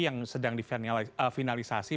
yang sedang di finalisasi